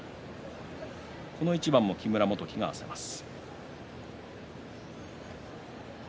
この一番も木村元基が合わせます。